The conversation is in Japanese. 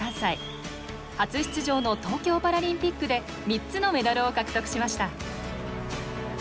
初出場の東京パラリンピックで３つのメダルを獲得しました。